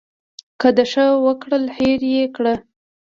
که د ښه وکړل هېر یې کړه .